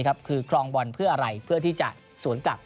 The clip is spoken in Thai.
คือครองบอลเพื่ออะไรเพื่อที่จะสวนกลับ